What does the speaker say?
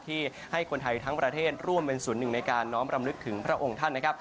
ที่ให้คนไทยทั้งประเทศร่วมเป็นส่วนหนึ่งในการน้อมรำลึกถึงพระองค์ท่านนะครับ